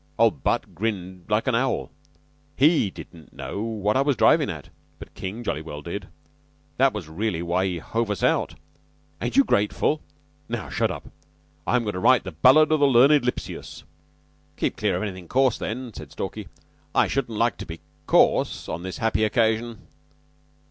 Old Butt grinned like an owl. He didn't know what I was drivin' at; but King jolly well did. That was really why he hove us out. Ain't you grateful? Now shut up. I'm goin' to write the 'Ballad of the Learned Lipsius.'" "Keep clear of anything coarse, then," said Stalky. "I shouldn't like to be coarse on this happy occasion."